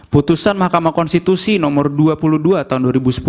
putusan mahkamah konstitusi nomor dua puluh dua tahun dua ribu sepuluh